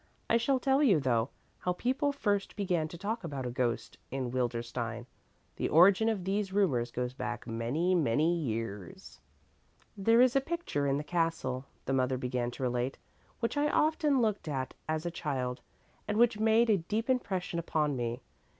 I shall tell you, though, how people first began to talk about a ghost in Wildenstein. The origin of these rumors goes back many, many years." "There is a picture in the castle," the mother began to relate, "which I often looked at as a child and which made a deep impression upon me.